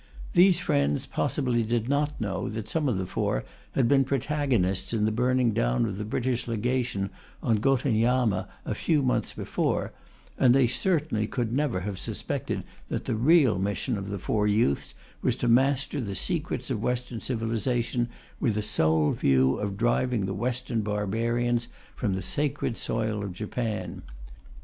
These, friends possibly did not know that some of the four had been protagonists in the burning down of the British Legation on Gotenyama a few months before, and they certainly could never have suspected that the real mission of the four youths was to master the secrets of Western civilization with a sole view of driving the Western barbarians from the sacred soil of Japan.